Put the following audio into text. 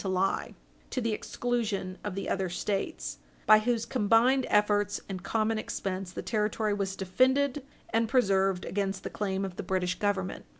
433 to lie, to the exclusion of the other States, by whose combined efforts and common expense the territory was defended and preserved against the claim of the British Government.